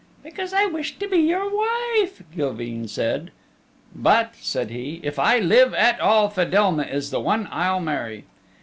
"Because I wish to be your wife," Gilveen said. "But," said he, "if I live at all Fedelma is the one I'll marry."